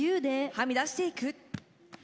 はみ出していく。